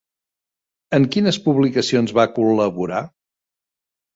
En quines publicacions va col·laborar?